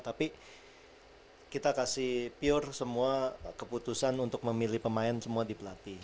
tapi kita kasih pure semua keputusan untuk memilih pemain semua dipelatih